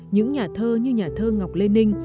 những nhà thơ như nhà thơ ngọc lê ninh